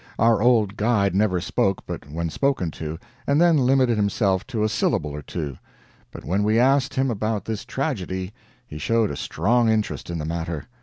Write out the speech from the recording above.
Our old guide never spoke but when spoken to, and then limited himself to a syllable or two, but when we asked him about this tragedy he showed a strong interest in the matter.